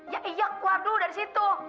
ya iya keluar dulu dari situ